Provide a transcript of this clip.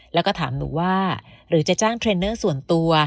แล้วก็ถามหนูว่าหรือจะจ้างเทรนเนอร์ส่วนตัว